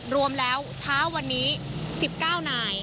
รวมแล้วเช้าวันนี้๑๙นาย